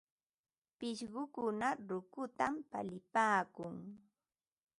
Pishqukuna kurutam palipaakun.